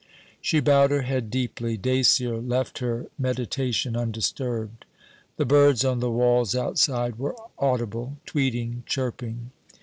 She bowed her head deeply. Dacier left her meditation undisturbed. The birds on the walls outside were audible, tweeting, chirping.